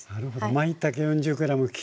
まいたけ４０ｇ